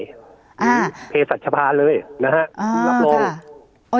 หรือเพศจรรยภาเลยครับ